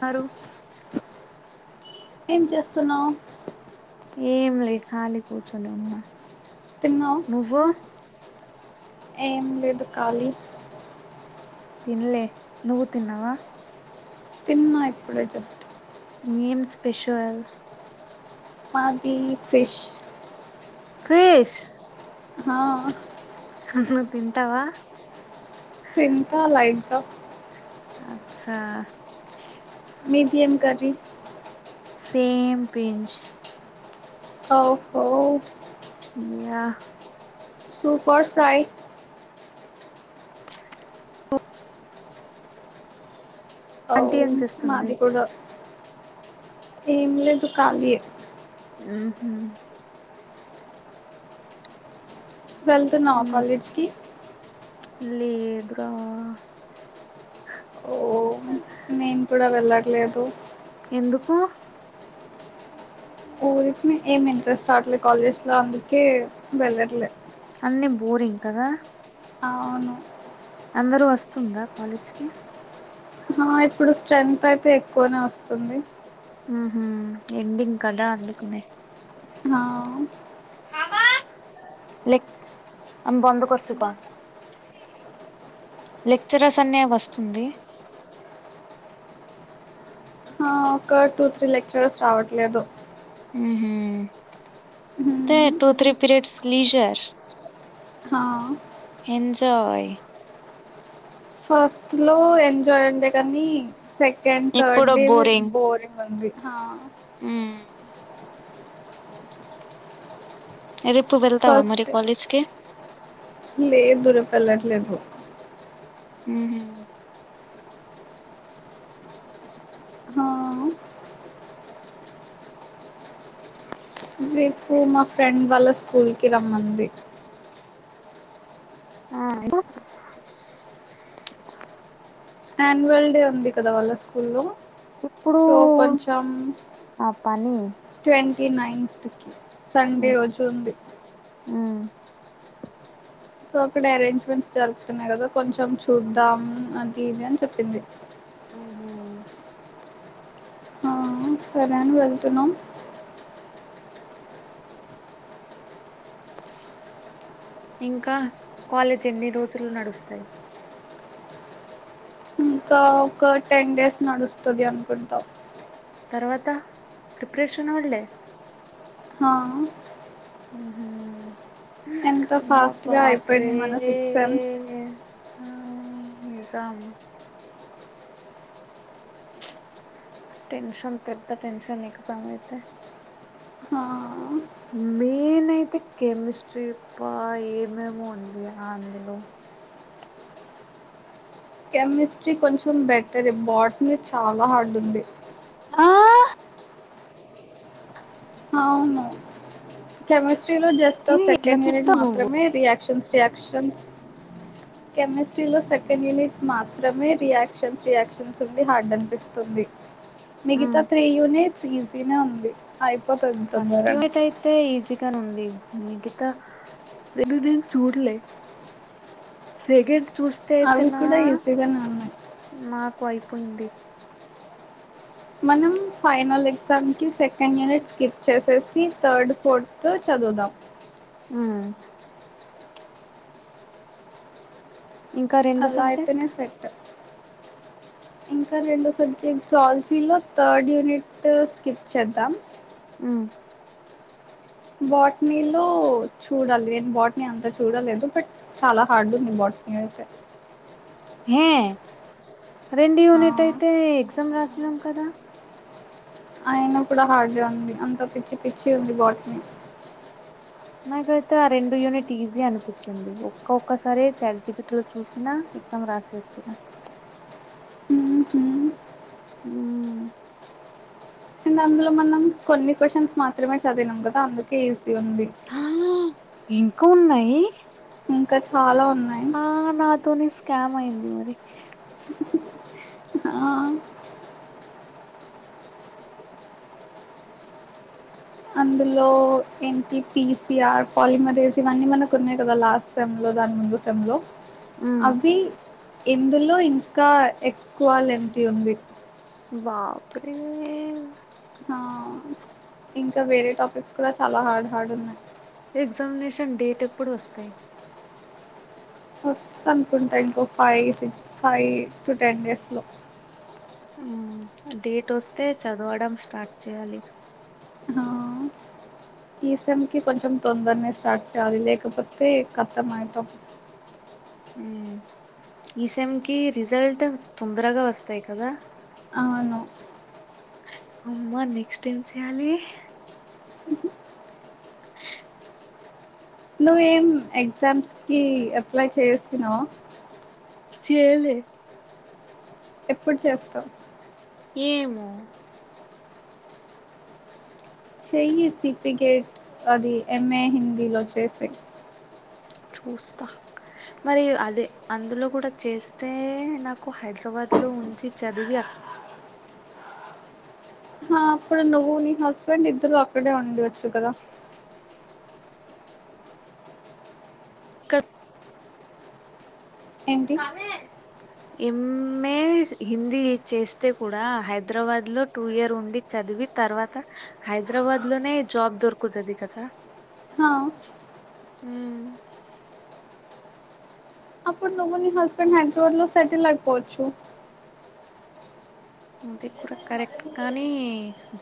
మరు ఏం చేస్తున్నావ్ ఏం లేదు ఖాళీ కూర్చొని ఉన్నా తిన్న నువ్వు ఏం లేదు కాలి తిన్లే నువ్వు తిన్నావా తిన్నా ఇప్పుడే జస్ట్ ఏం స్పెషల్ అది ఫిష్ ఫిష్ హ నువ్వు తింటావా తింటా లైట్గా అచ్చా మీది ఏం కర్రీ సేమ్ పించ్ ఓహో ఇయా సూపర్ ఫ్రై [inaudible] ఒ ఆంటీ ఏం చేస్తుంది మాది కూడ ఏమ్ లేదు కాలియే ఊ హు వెళ్ళ్తున్నావా కాలేజ్కి లేదు రా ఓ నేను కూడా వెళ్ళట్లేదు ఎందుకు ఊరికి ఏం వెళ్లట్లే అన్ని బోరింగ్ కదా ఆవును అందరు వస్తుందా కాలేజ్కి ఆ ఇప్పుడు స్ట్రైంత్ అయితే ఎక్కువనే వస్తుంది ఉహు ఎండింగ్ కదా అందుకనే హా బామ్మా లేక్ అ బందు కోసు ప లెక్చరర్స్ అన్ని వస్తుంది ఆ ఒక టూ త్రీ లెక్చరర్స్ రావట్లేదు ముహు తె హ్మ్ టూ త్రీ పిరియడ్స్ లీజార్ హ ఎంజాయ్ ఫస్ట్ లో ఎంజాయ్ ఉండే కానీ సెకండ్ థర్డ్ డే బోరింగ్ ఉంది హా మ్మ్ రేపు వెళ్తావా మరి ఫస్ట్ కాలేజ్ కి లేదు రేపుయేలట్లేదు ఊహు హా రేపు మా ఫ్రెండ్ వాళ్ళ స్కూల్కి రమ్మంది ఆ ఆన్యువల్ డే ఉంది కదా వాళ్ళ స్కూల్లో ఇప్పుడు సో కొంచెం ఆ పని ట్వ టి నైన్త్ కి సండే రోజు ఉంది ఉమ్ సో అక్కడ అరేంజ్మెంట్స్ జరుగుతున్నాయి. కదా కొంచెం చూద్దాం. అది ఇది అని చెప్పింది. ఆ సరే అని వెళ్తున్నాం ఇంకా కాలేజ్ ఎన్ని రోజులు నడుస్తాయి ఇంకా ఒక టెన్ డేస్ నడుస్తది అనుకుంటా తర్వాత ప్రిప్రేషన్ వాళ్ళే హా ఉమ్ హు ఎంత మా ఫాస్ట్ గా బాపు రే అయిపోయింది మన సిక్స్ సెమ్స్ నిజం టెన్షన్ పెద్ద టెన్షన్ ఎగ్జామ్ అయితే ఆ మీన్ అయితే కెమిస్ట్రీ పా ఏమేమో ఉంది అందులో కెమిస్ట్రీ కొంచెం బెటర్ బాట్ని చాలా హార్డ్ ఉంది ఆ అవును కెమిస్ట్రీలో జస్ట్ ఆ ఇది ఎట్లా సెకండ్ యూనిట్ చెప్తావు నువ్వు మాత్రమే రియాక్షన్స్ రియాక్షన్స్ కెమిస్ట్రీలో సెకండ్ యూనిట్ మాత్రమే రియాక్షన్స్ రియాక్షన్స్ ఉంది హార్డ్ అనిపిస్తు మిగితా ఉమ్ త్రీ యూనిట్స్ ఈజీ నే ఉంది. అయి ఫస్ట్ ఈ ట్ అయితే ఈజీ ఉంది మిగిత రెండు చూడలే సెగండ్ చూస్తే అయితే అవి నా కూడా ఈజీగానే ఉన్నాయి మాకు అయి పంది మనం ఫైనల్ ఎగ్జామ్కి సెకండ్ యూనిట్ స్కిప్ చేసేసి, థర్డ్, ఫోర్త్ చదువుదాం. ఆ ఇంకా రెండు సబ్జెక్ట్ అల్లాయితేనే సెట్ ఇంకా రెండో సబ్జెక్ట్ జాలజీలో థర్డ్ యూనిట్ స్కిప్ చేద్దాం. ఉ బాటినీ లో చూడాలి. నేను బాటిని అంత చూడలేదు. బట్ చాలా హార్డ్ ఉంది బాటి ఇంగ అంతే హే రెండు ఆ, యూనిట్ అయితే ఎగ్జామ్ రాసినాం కదా అయిన కూడా హార్డ్గా ఉంది. అంత పిచ్చి పిచ్చి ఉంది బాట్ ని నాకైతే ఆ రెండు యూనిట్ ఈజీ అనిపిచ్చింది. ఒక్క ఒక్కసారి చాట్ జీపీటీ లో చూసినా ఎగ్జామ్ రాసి వచ్చిన ఊమ్ అందులో మనం కొన్ని క్వశ్చన్స్ మాత్రమే చదివినం కదా అందుకే ఈ ఉంది ఆ ఇంకా ఉన్నయి ఇంకా చాలా ఉన్నాయి కామయంది మరి ఆ అందులో ఏంటి పీసిఆర్, పాలిమరేస్ ఇవన్నీ మనకు ఉన్నాయి కదా లాస్ట్ సెమ్ లో. దాన్ ముందు సెమ్ లో ఉమ్ అవి ఇందులో ఇంకా ఎక్కువ లేంథీ ఉంది బాపురే ఆ ఇంకా వేరే టాపిక్స్ కూడా చాలా హార్డ్ హార్డ్ ఉన్నాయి ఎగ్జామినేషన్ డేట్ ఎప్పుడు వస్తాయి. వస్తు అనుకుంటా ఇంకో five six five to ten days లో డేట్ వస్తే చదవడం స్టార్ట్ చేయాలి. ఆ ఈ సెమ్ కి కొంచెం తొందరనే స్టార్ట్ చేయాలి లేకపోతే కత్తం అయతం. ఈ సెమ్ కి రిజల్ట్ తొందరగా వస్తాయి కదా ఆవును అమ్మా నెక్స్ట్ ఏం చెయ్యాలి నువ్వేం ఎగ్జామ్స్ కి అప్లై చేసినవా చేలే ఎప్పుడు చేస్తావ్ ఏమో చెయ్యి సిఫికేట్ అది ఎంఏ హిందీలో చేసే చూస్తా మరి అదే అందులో కూడా చేస్తే నాకు హైదరాబాద్ లో ఉంచి చదివి అ అప్పుడ నువ్వు నీ హస్బెండ్ ఇద్దరు అక్కడే ఉండచ్చు కదా క ఏంటి ఎమ్ ఎ హిందీ చేస్తే కూడా హైదరాబాద్ లో టూ ఇయర్ ఉండి చదివి తర్వాత హైదరాబాద్ లోనే జాబ్ దొరుకుతుది కదా హా మ్ అప్పుడు నువ్వు ని హస్బెండ్ హైదరాబాద్ లో సెటీలో అయిపోవచ్చు అది కూడా కరెక్ట్ కానీ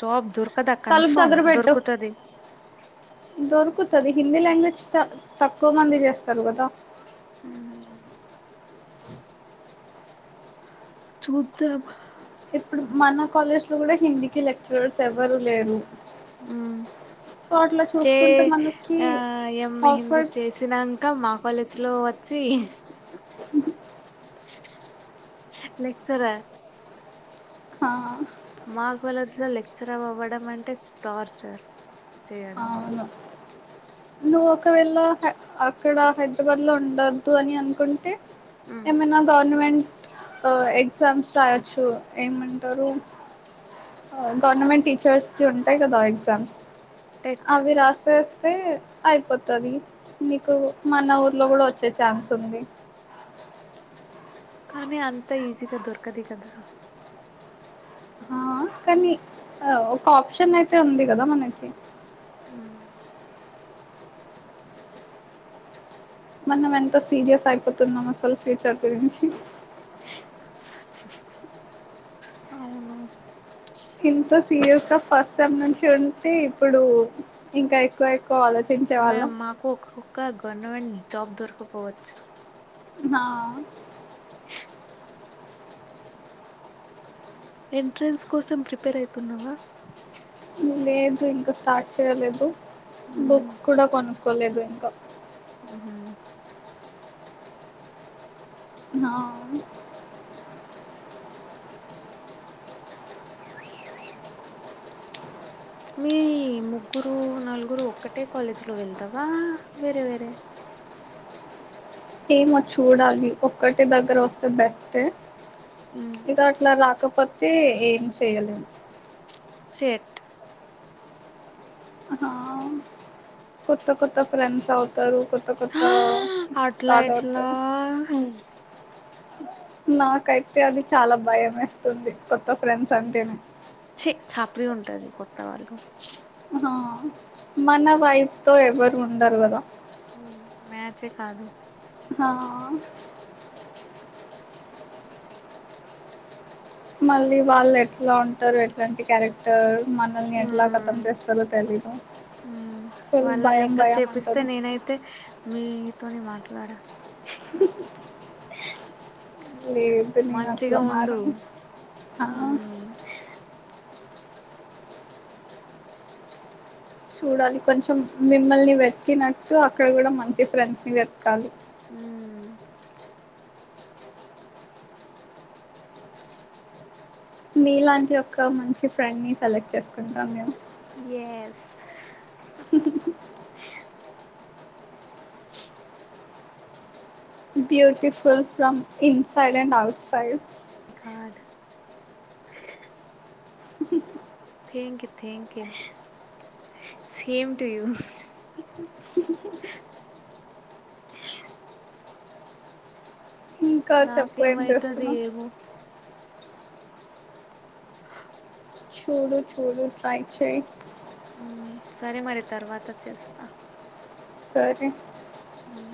జాబ్ దొరక కదా తలుపు కన్ఫర్మ్ దగ్గర పెట్టు దొరుకుతది దొరుకుతది హిందీ లాంగ్వేజ్ త తక్కువ మంది చేస్తారు కదా [unintelligible] చూద్దాం ఇప్పుడు మన కాలేజ్ లో కూడా హిందీకి లెక్చరర్స్ ఎవరు లేరు మ్ సో అట్లా ఏ చూసుకుంటే మనకి ఆ ఎమ్ హింది ఆఫర్స్ చేసినాక మాకు కాలేజ్ లో వచ్చి లెక్చరర్ హా మాకు వాళ్ళలా లెక్చర్ అవ్వడం అంటే టార్చర్ చేయడం నువ్ ఒకవేళ అ అక్కడ హైదరాబాద్ లో ఉండద్దు అని అనుకుంటే ఉమ్ ఏమన్న గవర్నమెంట్ ఆ ఎగ్జామ్స్ రాయొచ్చు ఏమంటారు గవర్నమెంట్ టీచర్స్ కి ఉంటాయి కదా ఎగ్జామ్స్ టెట్ అవి రాసెస్తే అయిపోతది నీకు మన ఊర్లో కూడా వచ్చే ఛాన్స్ ఉంది కానీ అంతా ఈజీగా దొరకది కదా ఆ కానీ ఆ ఒక ఆప్షన్ అయితే ఉంది కదా మనకి ఉమ్. మనం ఎంత సీరియస్ అయిపోతున్నాం అసలు ఫ్యూచర్ గురించి అవును సీరియస్ గా ఫస్ట్ సెమ్ నుంచి ఉంటే ఇప్పుడు ఇంకా ఎక్కువ ఎక్కువ ఆలోచించే వాళ్ళం మ్యామ్ మాకు ఒక్క గవర్నమెంట్ జాబ్ దొరకపోవచ్చు నా ఎంట్రెన్స్ కోసం ప్రిపేర్ అవుతున్నావా లేదు ఇంకా స్టార్ట్ చేయలేదు మ్మ్ బుక్స్ కూడా కొను కోలేదు ఇంకా మ్ న మీ ముగ్గురు నలుగురు ఒక్కటే కాలేజీలో వెళ్దావా వేరే వేరే ఏమో చూడాలి ఒక్కటి దగ్గర వస్తే బెస్ట్ మ్మ్ ఇగా అట్లా రాకపోతే ఏం చేయలేము షేట్ ఆ కొత్త కొత్త ఫ్రెండ్స్ అవుతారు కొత్త కొత్త అట్లా స్టార్ట్ ఎట్లా అవుతది నాకైతే అది చాలా భయం వేస్తుంది కొత్త ఫ్రెండ్స్ అంటేనే ఛీ చాపరి ఉంటది కొత్త వాళ్లు ఆ మన వయసు తో ఎవరు ఉండరు కదా మ్యాచ్ కాదు హా మళ్ళీ వాళ్ళు ఎట్లా ఉంటారు ఎట్లాంటి క్యారెక్టర్ మనల్ని ఎట్లా కతం మ్మ్ చేస్తారో తెలీదు మ్మ్ ఫుల్ వాళ్ళ భయం లెక్క భయం చేపిస్తే ఉంటుంది నేనైతే మీతోని మాట్లాడా లేదు నేను అసలా మంచిగా ఉండు మారను ఆ చూడాలి కొంచెం మిమ్మల్ని వెతికినట్టు అక్కడ కూడా మంచి ఫ్రెండ్స్ ని వెతకాలి హ మీలాంటి యొక్క మంచి ఫ్రెండ్ ని సెలెక్ట్ చేసుకుంటాం మేము yes beautiful from inside and outside card thank you thank you same to you [inaudible] ఇంకా చెప్పు ఏం నాకేమవుతుంది చేస్తునావ్ ఏమో [inaudible] చూడు చూడు ట్రై చెయ్ సరే మరి తర్వాత చేస్తా సరే ఆ